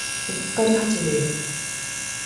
うっかり八兵衛